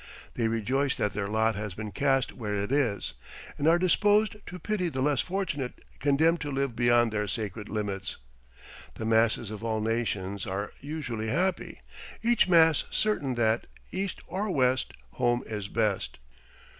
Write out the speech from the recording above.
They rejoice that their lot has been cast where it is, and are disposed to pity the less fortunate condemned to live beyond their sacred limits. The masses of all nations are usually happy, each mass certain that: "East or West Home is best."